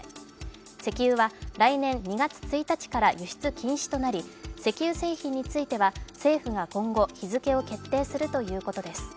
石油は来年２月１日から輸出禁止となり、石油製品については政府が今後、日付を決定するということです。